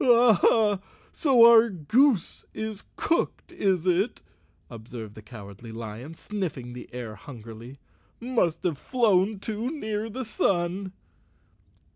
"Aha, so our goose is cooked, is it?" observed the Cowardly Lion, sniffing the air hungrily. " Must have flown too near the sun."